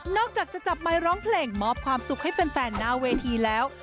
อกจากจะจับไมค์ร้องเพลงมอบความสุขให้แฟนหน้าเวทีแล้ว